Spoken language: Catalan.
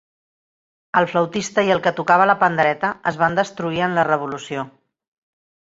El flautista i el que tocava la pandereta es van destruir en la revolució.